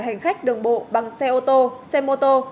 hành khách đường bộ bằng xe ô tô xe mô tô